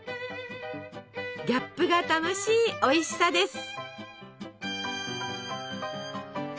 ギャップが楽しいおいしさです。